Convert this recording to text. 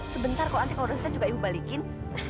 sebentar kalau nanti kalau resetnya juga ibu balikin